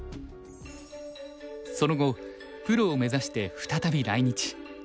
その後プロを目指して再び来日。